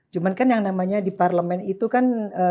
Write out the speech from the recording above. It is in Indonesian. cuma kan yang namanya di parlemen itu kan